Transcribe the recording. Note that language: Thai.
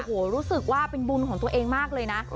โอ้โหรู้สึกว่าเป็นบุญของตัวเองมากเลยนะ